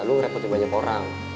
lo ngerepotin banyak orang